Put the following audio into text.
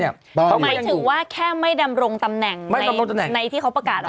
หมายถึงว่าแค่ไม่ดำรงตำแหน่งในที่เขาประกาศหรอ